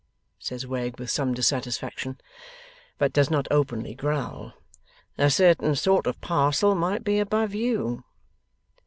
says Wegg, with some dissatisfaction. But does not openly growl, 'a certain sort of parcel might be above you.